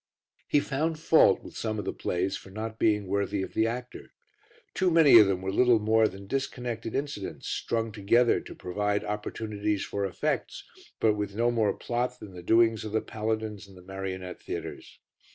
He found fault with some of the plays for not being worthy of the actor. Too many of them were little more than disconnected incidents, strung together to provide opportunities for effects, but with no more plot than the doings of the paladins in the marionette theatres.